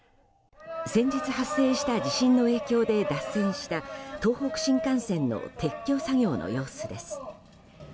先日発生した地震の影響で脱線した東北新幹線の撤去作業の様子です。